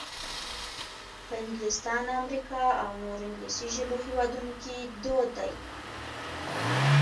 په انګلستان، امریکا او نورو انګلیسي ژبو هېوادونو کې دود دی.